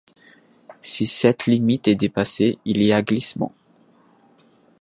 Si cette limite est dépassée, il y a glissement.